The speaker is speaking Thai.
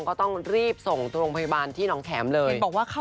ก็ต้องรีบส่งโรงพยาบาลที่หนองแข็มเลย